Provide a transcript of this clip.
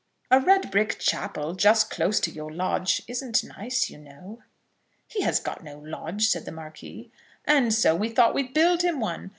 "A red brick chapel, just close to your lodge, isn't nice, you know." "He has got no lodge," said the Marquis. "And so we thought we'd build him one.